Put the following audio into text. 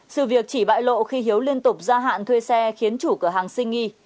sự việc chỉ bại lộ khi hiếu liên tục gia hạn thuê xe khiến chủ cửa hàng sinh nghi